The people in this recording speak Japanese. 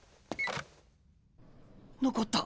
☎残った。